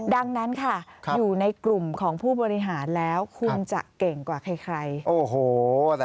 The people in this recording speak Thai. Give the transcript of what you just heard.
ดังนั้นค่ะอยู่ในกลุ่มของผู้บริหารแล้วคุณจะเก่งกว่าใคร